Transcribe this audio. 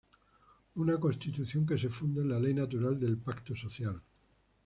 Una constitución que se funde en la ley natural del pacto social.